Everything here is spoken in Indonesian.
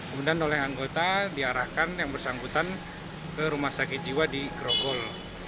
kemudian oleh anggota diarahkan yang bersangkutan ke rumah sakit jiwa di grogol